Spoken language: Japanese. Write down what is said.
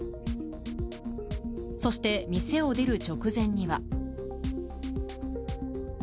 そして、店を出る直前には。